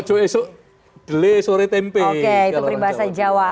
oke itu peribahasa jawa